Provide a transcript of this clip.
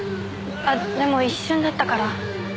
あっでも一瞬だったから。